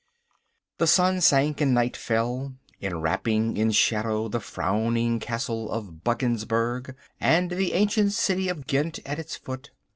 The sun sank and night fell, enwrapping in shadow the frowning castle of Buggensberg, and the ancient city of Ghent at its foot.